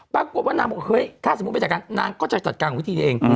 ปรากฏว่านางบอกเฮ้ยถ้าสมมุติไปจัดการนางก็จะจัดการของวิธีนี้เอง